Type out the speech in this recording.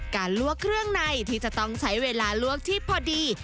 ลวกเครื่องในที่จะต้องใช้เวลาลวกที่พอดี